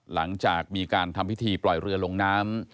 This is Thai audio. หลังจากมีการทำพิธีปล่อยเรือลงน้ำ